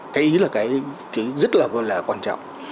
cái ý là cái rất là quan trọng